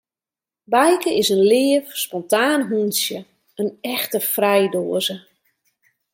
Bijke is in leaf, spontaan hûntsje, in echte frijdoaze.